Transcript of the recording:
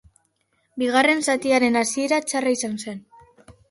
Bigarren zatiaren hasiera txarra izan zen.